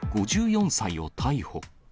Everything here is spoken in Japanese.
５４歳を逮捕。